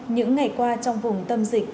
những ngày qua trong vùng tâm dịch